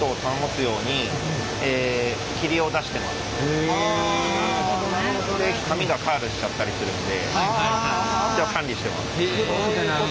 あの紙がカールしちゃったりするんで管理してます。